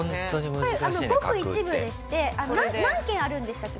これごく一部でして何県あるんでしたっけ？